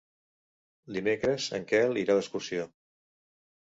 Dimecres en Quel irà d'excursió.